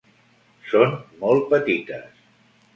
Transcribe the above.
Són molt petites.